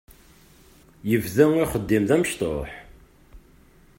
Yebda ixeddim d amecṭuḥ.